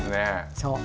そう。